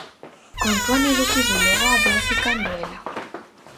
Kontuan eduki bulegoa Belgikan duela.